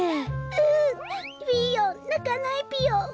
うんピーヨンなかないぴよ。